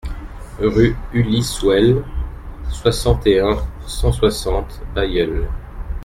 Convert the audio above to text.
Rue Ulysse Houel, soixante et un, cent soixante Bailleul